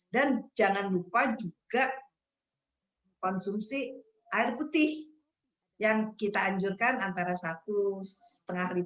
dan jangan lupa juga konsumsi air putih yang kita anjurkan antara satu setengah